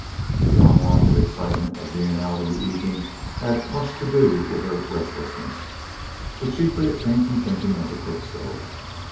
The unwonted excitement of being out in the evening had much to do with her restlessness, but chiefly it came from thinking of the cook stove.